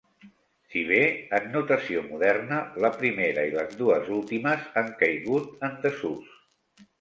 Si bé, en notació moderna la primera i les dues últimes han caigut en desús.